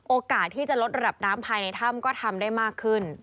โอกาสที่จะลดระดับน้ำภายในถ้ำก็ทำได้มากขึ้น